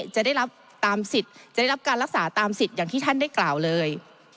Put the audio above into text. จะได้รับการรักษาตามสิทธิ์อย่างที่ท่านได้กล่าวเลย